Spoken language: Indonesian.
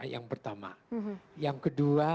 yang pertama yang kedua